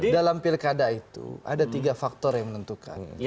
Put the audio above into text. dalam pilkada itu ada tiga faktor yang menentukan